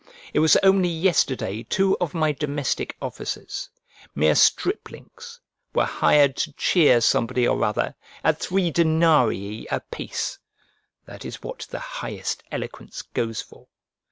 It was only yesterday two of my domestic officers, mere striplings, were hired to cheer somebody or other, at three denarii apiece: that is what the highest eloquence goes for.